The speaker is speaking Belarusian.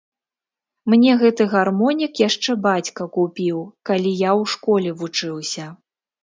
Мне гэты гармонік яшчэ бацька купіў, калі я ў школе вучыўся.